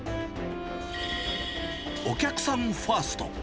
お客さんファースト。